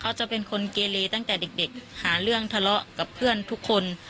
จะเป็นคนเกเลตั้งแต่เด็กหาเรื่องทะเลาะกับเพื่อนทุกคน